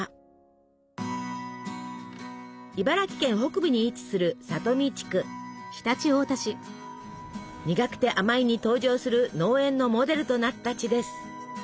茨城県北部に位置する「にがくてあまい」に登場する農園のモデルとなった地です。